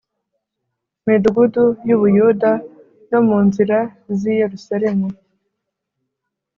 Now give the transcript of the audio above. midugudu y u Buyuda no mu nzira z i Yerusalemu